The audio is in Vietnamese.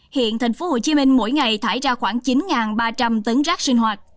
hiện tp hcm mỗi ngày thải ra khoảng chín ba trăm linh tấn rác sinh hoạt